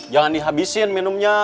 jangan dihabisin minumnya